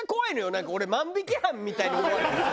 なんか俺万引き犯みたいに思われてさ。